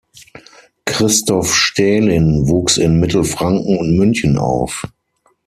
Christof Stählin wuchs in Mittelfranken und München auf.